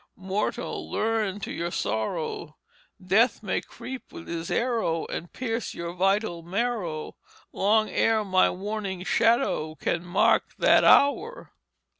Mortall! Lern to your Sorrow Death may creep with his Arrow And pierce yo'r vitall Marrow Long ere my warning Shadow Can mark that Hour."